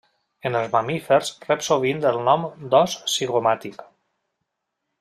En els mamífers rep sovint el nom d'os zigomàtic.